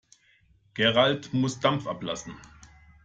Gerald muss Dampf ablassen.